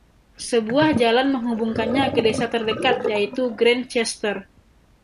Sebuah jalan menghubungkannya ke desa terdekat yaitu Grantchester.